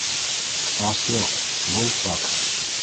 Аслыҡ, был — факт.